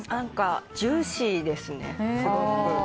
ジューシーですね、すごく。